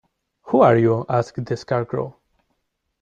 Who are you? asked the Scarecrow.